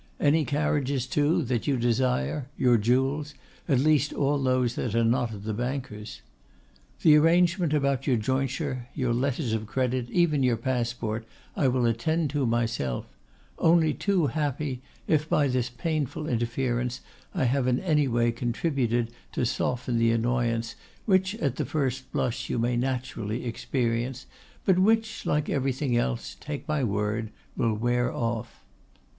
Any carriages, too, that you desire; your jewels, at least all those that are not at the bankers'. The arrangement about your jointure, your letters of credit, even your passport, I will attend to myself; only too happy if, by this painful interference, I have in any way contributed to soften the annoyance which, at the first blush, you may naturally experience, but which, like everything else, take my word, will wear off.